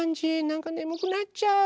なんかねむくなっちゃう。